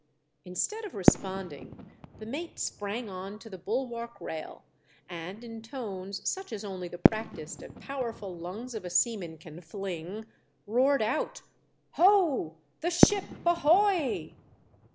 Instead of responding, the mate sprang on to the bulwark rail, and in tones such as only the practised and powerful lungs of a seaman can fling, roared out — "Ho! the ship, ahoy!"